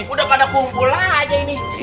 udah pada kumpul aja ini